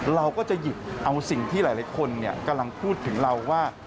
เราก็จะหยิบเอาสิ่งที่หลายคนกำลังพูดถึงเราว่า